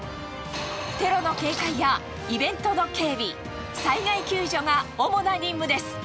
テロの警戒やイベントの警備、災害救助が主な任務です。